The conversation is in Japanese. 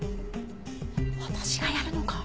私がやるのか。